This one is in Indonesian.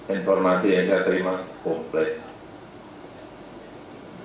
informasi yang saya terima komplek